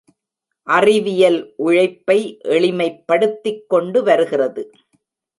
அறிவியல், உழைப்பை எளிமைப் படுத்திக் கொண்டு வருகிறது.